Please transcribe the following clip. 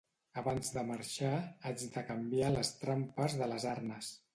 Abans de marxar haig de canviar les trampes per les arnes